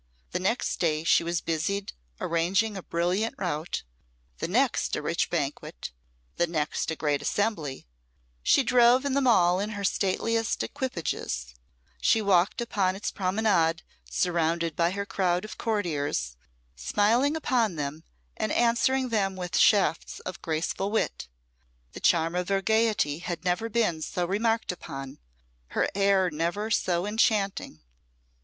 The next day she was busied arranging a brilliant rout, the next a rich banquet, the next a great assembly; she drove in the Mall in her stateliest equipages; she walked upon its promenade, surrounded by her crowd of courtiers, smiling upon them, and answering them with shafts of graceful wit the charm of her gaiety had never been so remarked upon, her air never so enchanting.